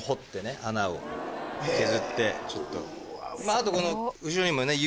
あとこの。